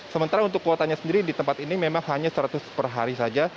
sementara untuk kuotanya sendiri di tempat ini memang hanya seratus per hari saja